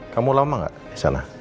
kamu lama nggak di sana